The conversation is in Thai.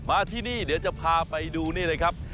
มาที่นี่เดี๋ยวจะพาไปดูนี่เลยครับ